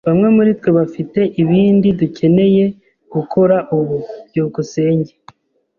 Bamwe muri twe bafite ibindi dukeneye gukora ubu. byukusenge